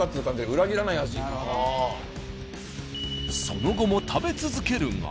その後も食べ続けるが。